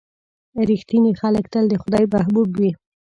• رښتیني خلک تل د خدای محبوب وي.